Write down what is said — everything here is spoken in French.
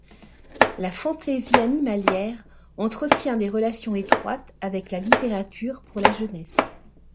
La fantasy animalière entretient des relations étroites avec la littérature pour la jeunesse.